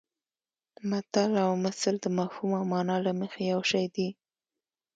متل او مثل د مفهوم او مانا له مخې یو شی دي